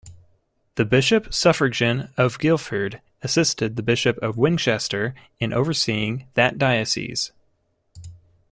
The Bishop suffragan of Guildford assisted the Bishop of Winchester in overseeing that diocese.